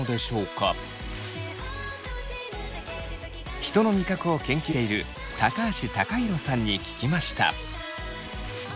人の味覚を研究している橋貴洋さんに聞きました。